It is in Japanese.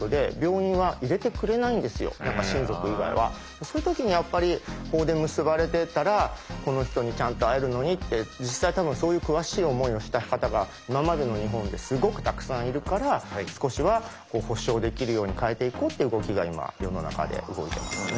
そういう時にやっぱり法で結ばれてたらこの人にちゃんと会えるのにって実際多分そういう悔しい思いをした方が今までの日本ですごくたくさんいるから少しは保障できるように変えていこうっていう動きが今世の中で動いてますね。